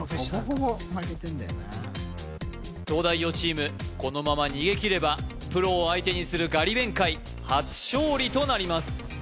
ほぼほぼ負けてんだよな東大王チームこのまま逃げ切ればプロを相手にするガリ勉回初勝利となります